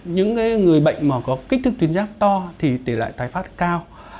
những người bệnh mà có kích thước tuyến giáp to thì tỷ lệ tái phát cao